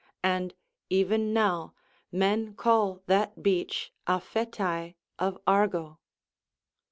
And even now men call that beach Aphetae of Argo.